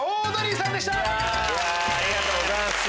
ありがとうございます。